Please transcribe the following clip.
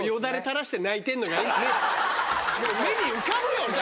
目に浮かぶよね。